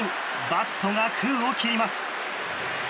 バットが空を切ります。